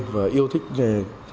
và yêu thích nghề